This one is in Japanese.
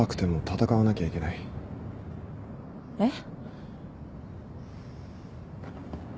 えっ？